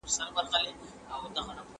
د بدن د حرارت درجه باید کنټرول شي.